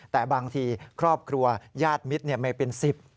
แต่บางทีครอบครัวญาติมิตรไม่เป็น๑๐